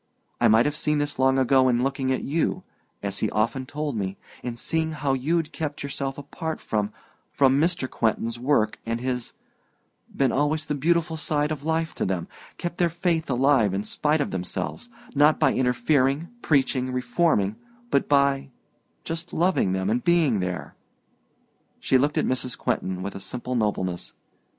I might have seen this long ago in looking at you as he often told me in seeing how you'd kept yourself apart from from Mr. Quentin's work and his been always the beautiful side of life to them kept their faith alive in spite of themselves not by interfering, preaching, reforming, but by just loving them and being there " She looked at Mrs. Quentin with a simple nobleness.